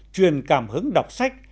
truyền cảm hứng đọc sách